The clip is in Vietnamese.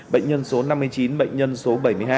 bệnh nhân số năm mươi chín bệnh nhân số bảy mươi hai